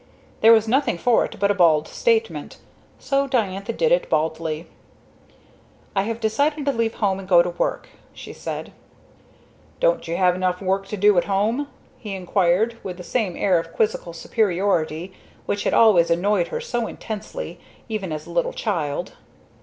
There was nothing for it but a bald statement, so Diantha made it baldly. "I have decided to leave home and go to work," she said. "Don't you have work enough to do at home?" he inquired, with the same air of quizzical superiority which had always annoyed her so intensely, even as a little child.